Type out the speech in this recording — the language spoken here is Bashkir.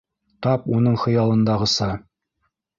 Тап уның хыялындағыса.